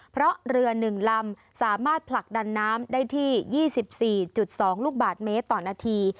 เพราะเรือ๑ลำสามารถผลักดันน้ำได้ที่๒๔๒ลูกบาทเมตรต่อนาที